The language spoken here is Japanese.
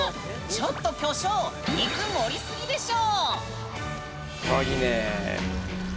ちょっと、巨匠肉盛りすぎでしょ！